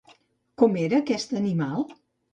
Com era aquest animal?